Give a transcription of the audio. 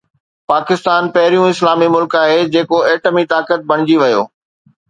پاڪستان پهريون اسلامي ملڪ آهي جيڪو ايٽمي طاقت بڻجي ويو